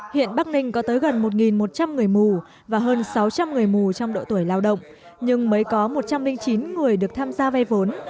hiện bắc ninh có tới gần một một trăm linh người mù và hơn sáu trăm linh người mù trong độ tuổi lao động nhưng mới có một trăm linh chín người được tham gia vay vốn